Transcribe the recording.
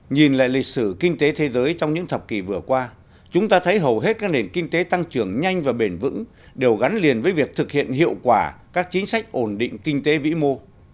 nhìn lại lịch sử kinh tế thế giới trong những thập kỷ vừa qua chúng ta thấy hầu hết các nền kinh tế tăng trưởng nhanh và bền vững đều gắn liền với việc thực hiện hiệu quả các chính sách ổn định kinh tế vĩ mô